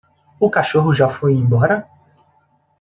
O cachorro já foi embora?